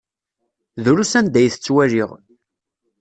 Drus anda ay t-ttwaliɣ.